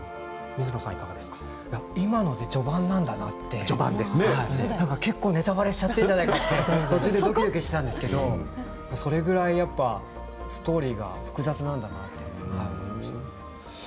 今ので序盤なんだなって、結構ネタばれしちゃってるんじゃないかって途中でどきどきしたんですけどそれぐらいストーリーが複雑なんだなって思いました。